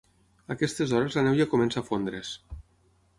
A aquestes hores la neu ja comença a fondre’s.